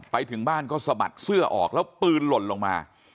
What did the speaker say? ไปถึงบ้านก็สะบัดเสื้อออกแล้วปืนหล่นลงมา